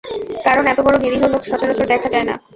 কারণ এতবড়ো নিরীহ লোক সচরাচর দেখা যায় না।